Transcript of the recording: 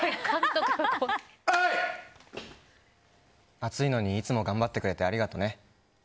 暑いのにいつも頑張ってくれてありがとうね。